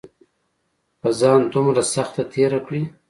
پۀ ځان دومره سخته تېره کړې